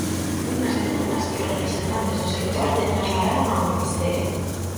Unhas demandas que os representantes do sector lle trasladaron ao Ministerio.